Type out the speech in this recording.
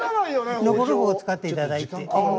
のこぎりを使っていただいて。